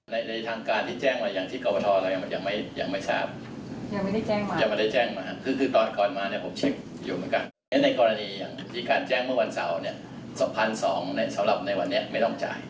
ในกรณีที่การแจ้งเมื่อวันเสาร์๒๒๐๐บาทสำหรับในวันนี้ไม่ต้องจ่าย